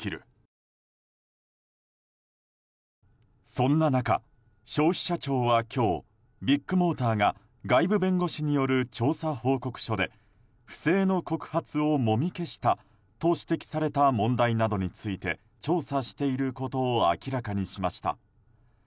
そんな中、消費者庁は今日ビッグモーターが外部弁護士による調査報告書で不正の告発をもみ消したと指摘された問題などについて調査していることを明らかにしました。